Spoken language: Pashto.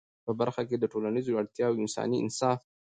په برخه کي د ټولنیزو اړتیاوو او انساني انصاف